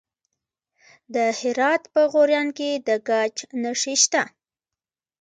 د هرات په غوریان کې د ګچ نښې شته.